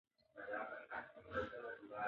د هېواد په مرکز کې امنیتي تدابیر سخت شوي وو.